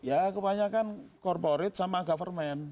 ya kebanyakan korporate sama government